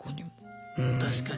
確かに。